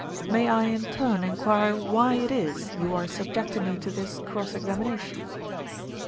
May I in turn enquire why it is you are subjecting me to this cross examination?"